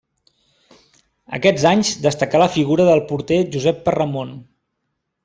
Aquests anys destacà la figura del porter Josep Perramon.